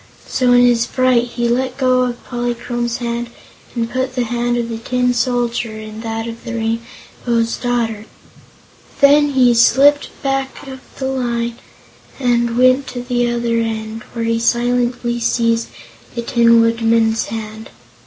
So in his fright he let go of Polychrome's hand and put the hand of the Tin Soldier in that of the Rainbow's Daughter. Then he slipped back of the line and went to the other end, where he silently seized the Tin Woodman's hand.